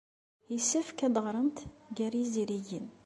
Yessefk ad teɣremt gar yizirigen.